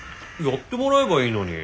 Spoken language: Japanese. やってもらえばいいのに。